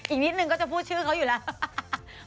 อีกนิดนึงก็จะพูดชื่อเขาอยู่แล้ว